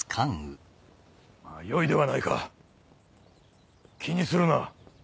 まぁよいではないか気にするな。